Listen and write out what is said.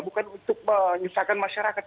bukan untuk menyusahkan masyarakat